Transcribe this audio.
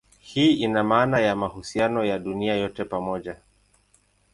Hii ina maana ya mahusiano ya dunia yote pamoja.